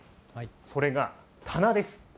それが棚です。